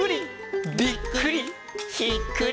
「ぴっくり！